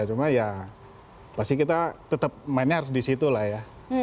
cuma ya pasti kita tetap mainnya harus di situ lah ya